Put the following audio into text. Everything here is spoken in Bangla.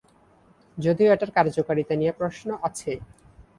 যদিও এটার কার্যকারিতা নিয়ে প্রশ্ন আছে।